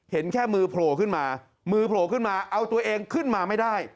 เห็นแค่มือโผล่ขึ้นมามือโผล่ขึ้นมาเอาตัวเองขึ้นมาไม่ได้